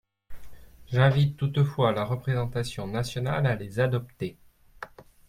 J’invite toutefois la représentation nationale à les adopter.